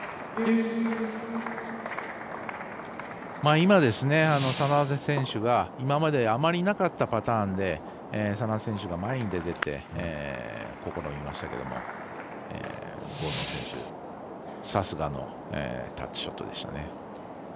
今、眞田選手が今まであまりなかったパターンで眞田選手が前に出て試みましたけどさすがのタフショットでした。